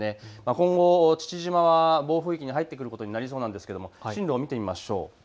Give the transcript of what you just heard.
今後、父島は暴風域に入っていくことになりそうなんですが進路を見てみましょう。